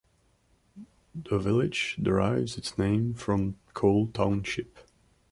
The village derives its name from Coal Township.